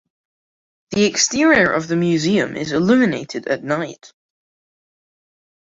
The exterior of the museum is illuminated at night.